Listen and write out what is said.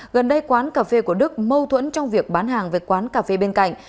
gần đây quán cà phê của đức mâu thuẫn trong việc bán hàng về quán cà phê bên cạnh